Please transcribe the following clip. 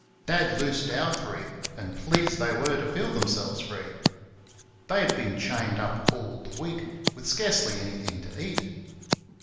Dad loosed our three, and pleased they were to feel themselves free. They had been chained up all the week, with scarcely anything to eat.